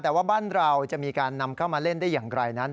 แต่ว่าบ้านเราจะมีการนำเข้ามาเล่นได้อย่างไรนั้น